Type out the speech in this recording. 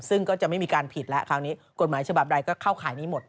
ซึ่งก็จะไม่มีการผิดแล้วคราวนี้กฎหมายฉบับใดก็เข้าข่ายนี้หมด